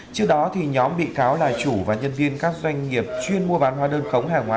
trước đó nhóm bị cáo là chủ và nhân viên các doanh nghiệp chuyên mua bán hóa đơn khống hàng hóa